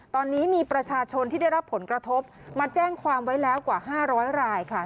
ตอนนี้มีประชาชนที่ได้รับผลกระทบมาแจ้งความไว้แล้วกว่า๕๐๐รายค่ะ